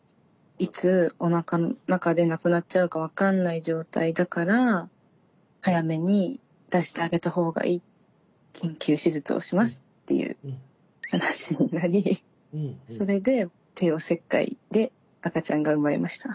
いつおなかの中で亡くなっちゃうか分かんない状態だから早めに出してあげた方がいい緊急手術をしますっていう話になりそれで帝王切開で赤ちゃんが生まれました。